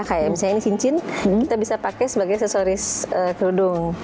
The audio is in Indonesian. kayak misalnya ini cincin kita bisa pakai sebagai aksesoris kerudung